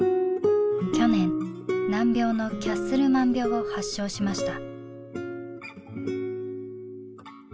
去年難病のキャッスルマン病を発症しました。